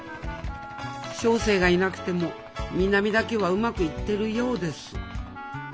小生がいなくても南田家はうまくいってるようです。